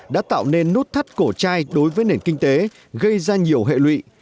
đã tạo nên nút thắt cổ trai đối với nền kinh tế gây ra nhiều hệ lụy